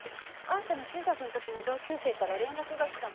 あんたの中学の時の同級生から連絡が来たのよ。